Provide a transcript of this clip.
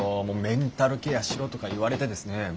もうメンタルケアしろとか言われてですね。